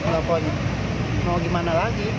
kalau mau gimana lagi